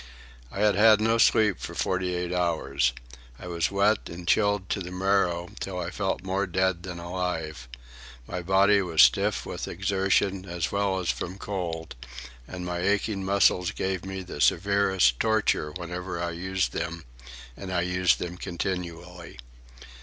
I had had no sleep for forty eight hours. I was wet and chilled to the marrow, till I felt more dead than alive. My body was stiff from exertion as well as from cold, and my aching muscles gave me the severest torture whenever I used them, and I used them continually.